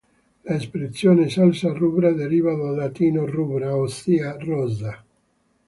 L'espressione "salsa rubra" deriva dal latino "rubra", ossia "rossa".